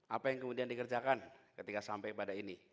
apa yang kemudian dikerjakan ketika sampai pada ini